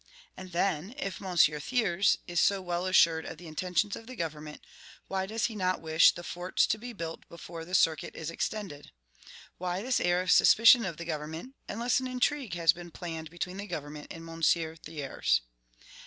And then, if M. Thiers is so well assured of the intentions of the government, why does he not wish the forts to be built before the circuit is extended? Why this air of suspicion of the government, unless an intrigue has been planned between the government and M. Thiers?